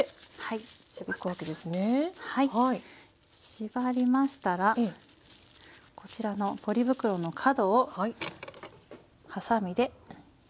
縛りましたらこちらのポリ袋の角をはさみで切ります。